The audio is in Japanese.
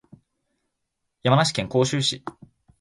山梨県甲州市